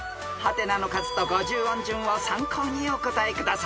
［「？」の数と五十音順を参考にお答えください。